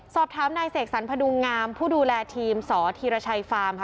สอบถามนายเสกสรรพดุงงามผู้ดูแลทีมสธีรชัยฟาร์มค่ะ